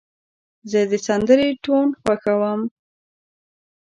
زه د سندرې ټون خوښوم.